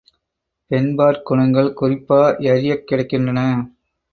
பெண்பாற் குணங்கள் குறிப்பாயறியக் கிடக்கின்றன.